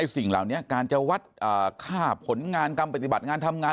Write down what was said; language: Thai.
สิ่งเหล่านี้การจะวัดค่าผลงานการปฏิบัติงานทำงาน